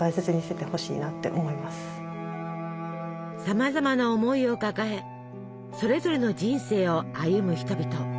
さまざまな思いを抱えそれぞれの人生を歩む人々。